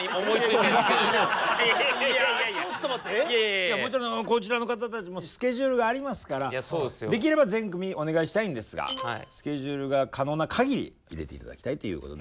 いやもちろんこちらの方たちもスケジュールがありますからできれば全組お願いしたいんですがスケジュールが可能なかぎり入れて頂きたいということで。